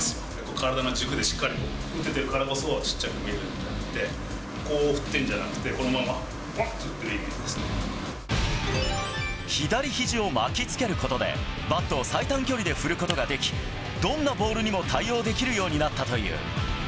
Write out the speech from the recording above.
体の軸でしっかり打ててるからこそ、ちっちゃく見えるんであって、こう振ってるんじゃなくて、このままばっというイ左ひじを巻きつけることで、バットを最短距離で振ることができ、どんなボールにも対応できるようになったという。